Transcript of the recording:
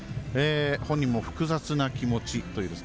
本人も複雑な気持ちと。